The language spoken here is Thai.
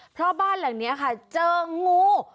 เพราะบ้านหลังนี้ค่ะเจองู